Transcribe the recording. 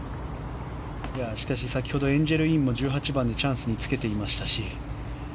先ほどエンジェル・インも１８番でチャンスにつけていましたし。